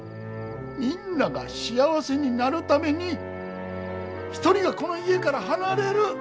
みんなが幸せになるために１人がこの家から離れる。